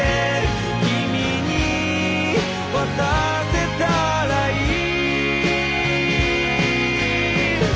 「君に渡せたらいい」